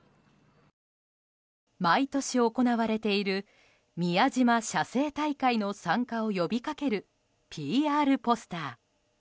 毎年行われている宮島写生大会の参加を呼び掛けるＰＲポスター。